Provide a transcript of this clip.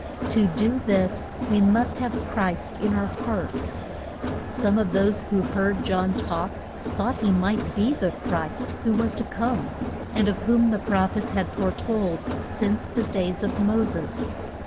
To do this we must have Christ in our hearts. Some of those who heard John talk thought that he might be the Christ who was to come, and of whom the proph ets had fore told since the days of Mos es.